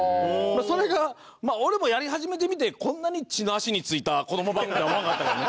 それがまあ俺もやり始めてみてこんなに地に足がついた子ども番組とは思わなかったけどね。